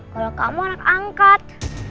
kalau kamu anak angkat